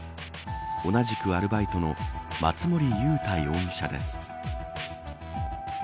同じくアルバイトの松森裕太容疑者です。